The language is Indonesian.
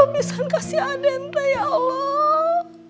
bisa kasih haden ya allah